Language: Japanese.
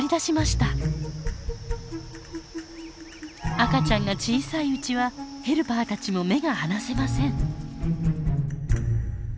赤ちゃんが小さいうちはヘルパーたちも目が離せません。